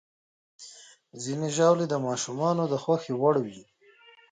ځینې ژاولې د ماشومانو د خوښې وړ وي.